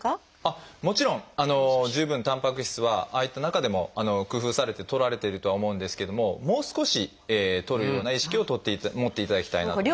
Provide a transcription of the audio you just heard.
もちろん十分たんぱく質はああいった中でも工夫されてとられてるとは思うんですけどももう少しとるような意識を持っていただきたいなと。